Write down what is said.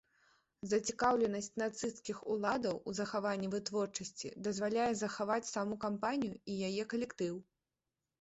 Зацікаўленасць нацысцкіх уладаў у захаванні вытворчасці дазваляе захаваць саму кампанію і яе калектыў.